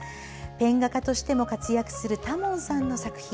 ペン画家としても活躍する多聞さんの作品。